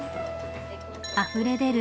あふれ出る